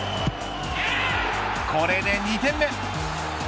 これで２点目。